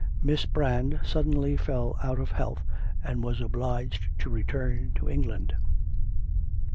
Miss Brand suddenly fell out of health and was obliged to return to England.